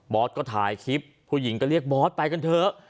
ก็ถ่ายคลิปผู้หญิงก็เรียกบอสไปกันเถอะ